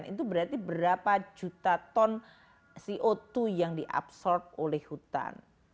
itu berarti berapa juta ton co dua yang diabsorb oleh hutan